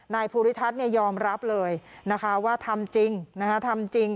นายภูริฤทัศน์ยอมรับเลยว่าทำจริง